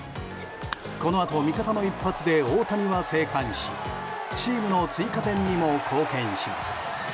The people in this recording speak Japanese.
このあと、味方の一発で大谷は生還しチームの追加点にも貢献します。